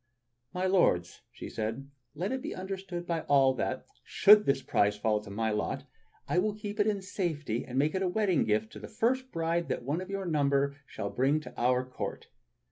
"My Lords," said she, "let it then be understood by all that, should this prize fall to my lot, I will keep it in safety and make it a wedding gift to the first bride that one of your number shall bring to our court."